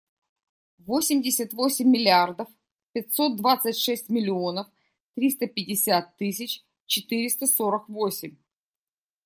Восемьдесят восемь миллиардов пятьсот двадцать шесть миллионов триста пятьдесят тысяч четыреста сорок восемь.